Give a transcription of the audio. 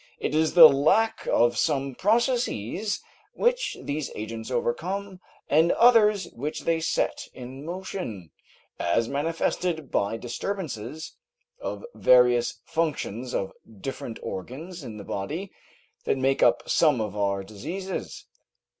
It is the lack of some processes which these agents overcome, and others which they set in motion, as manifested by disturbances of various functions of different organs in the body that make up some of our diseases.